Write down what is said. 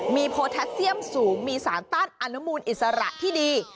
มีโพแทสเซียมสูงมีสารต้านอนุมูลอิสระที่ดี